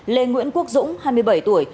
lê nguyễn quốc dũng hai mươi bảy tuổi